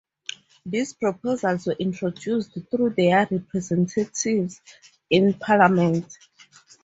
These proposals were introduced through their representatives in Parliament.